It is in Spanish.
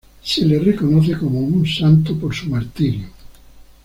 Se le reconoce como un santo por su martirio.